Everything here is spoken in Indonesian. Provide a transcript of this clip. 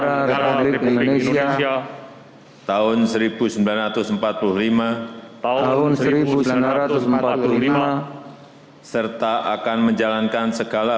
amerika indonesia akan bertempur dalam pergerakan luxury